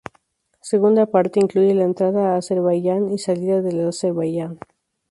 Segunda parte incluye la entrada a Azerbaiyán y salida del Azerbaiyán.